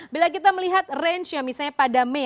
bila kita melihat range nya misalnya pada mei